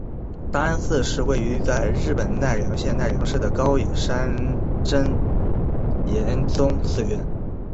大安寺是位在日本奈良县奈良市的高野山真言宗寺院。